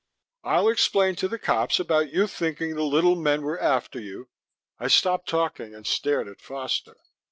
"I'll explain to the cops about you thinking the little men were after you " I stopped talking and stared at Foster.